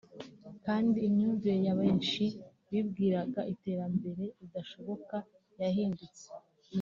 kandi imyumvire ya benshi bibwiraga iterambere ridashoboka yahindutse